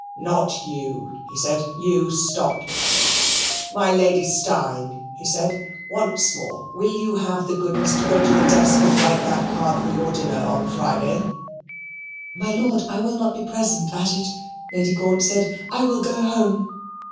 "Not you," he said. "You stop." "My Lady Steyne," he said, "once more will you have the goodness to go to the desk and write that card for your dinner on Friday?" "My Lord, I will not be present at it," Lady Gaunt said; "I will go home."